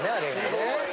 すごい。